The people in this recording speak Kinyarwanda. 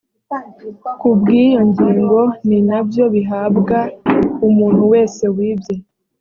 ku bw’iyo ngingo ni na byo bihabwa umuntu wese wibye